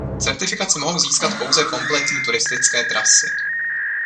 Certifikaci mohou získat pouze kompletní turistické trasy.